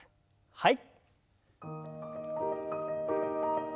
はい。